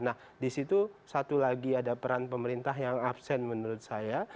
nah disitu satu lagi ada peran pemerintah yang absen menurut saya